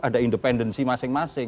ada independensi masing masing